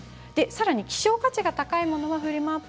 さらに希少価値が高いものはフリマ